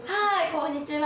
こんにちは。